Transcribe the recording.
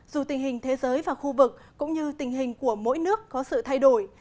dù tình hình thế giới và khu vực cũng như tình hình của mỗi nước có sự thay đổi